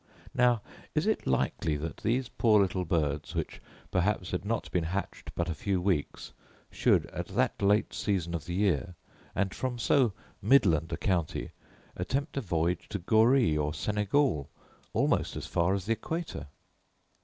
Now is it likely that these poor little birds (which perhaps had not been hatched but a few weeks) should, at that late season of the year, and from so midland a county, attempt a voyage to Goree or Senegal, almost as far as the equator?